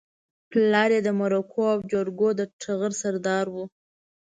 پلار يې د مرکو او جرګو د ټغر سردار و.